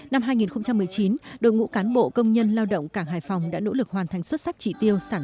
năm hai nghìn một mươi chín đội ngũ cán bộ công nhân lao động cảng hải phòng đã nỗ lực hoàn thành xuất sắc trị tiêu sản